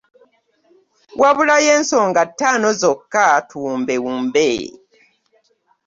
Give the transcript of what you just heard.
Wabulayo ensonga ttaano zokka tuwumbewumbe.